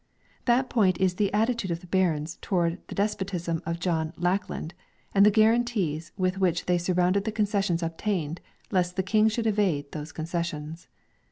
That point is the attitude of the barons towards the des potism of John Lackland and the guarantees with which they surrounded the concessions obtained, lest the King should evade those concessions.